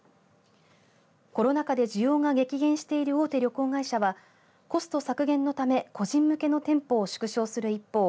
コロナ禍で需要が激減している大手旅行会社はコスト削減のため個人向けの店舗を縮小する一方